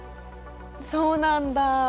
そうなんだ。